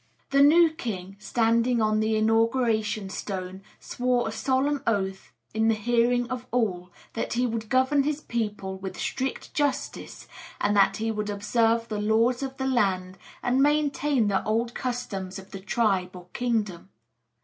The new king, standing on the Inauguration Stone, swore a solemn oath in the hearing of all, that he would govern his people with strict justice, and that he would observe the laws of the land, and maintain the old customs of the tribe or kingdom.